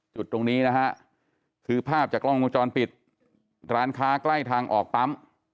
จุดตรงนี้นะฮะคือภาพจากกล้องวงจรปิดร้านค้าใกล้ทางออกปั๊ม